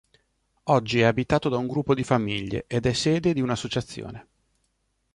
Oggi è abitato da un gruppo di famiglie ed è sede di un'associazione.